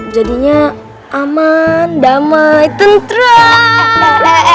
jadinya aman damai tentera